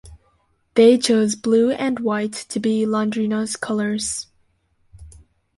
They chose blue and white to be Londrina's colors.